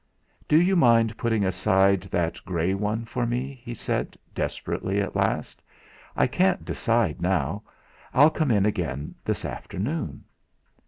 "Do you mind putting aside that grey one for me?" he said desperately at last. "I can't decide now; I'll come in again this afternoon."